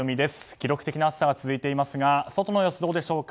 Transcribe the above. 記録的な暑さが続いていますが外の様子はどうでしょうか。